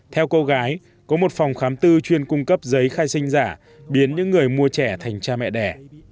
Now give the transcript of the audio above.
theo cô gái có một phòng khám tư chuyên cung cấp giấy khai sinh giả biến những người mua trẻ thành cha mẹ đẻ